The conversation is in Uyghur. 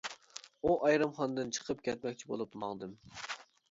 ئۇ ئايرىم خانىدىن چىقىپ كەتمەكچى بولۇپ ماڭدىم.